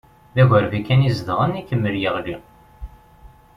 D agerbi kan ay zedɣen, ikemmel yeɣli.